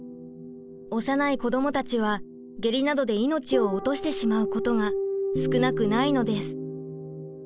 幼い子どもたちは下痢などで命を落としてしまうことが少なくないのです。